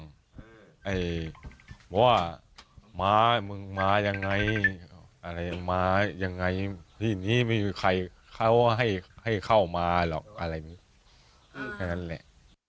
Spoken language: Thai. บอกว่ามามึงมายังไงมายังไงที่นี้ไม่มีใครเข้าให้เข้ามาหรอกอะไรนี้อย่างนั้นแหละ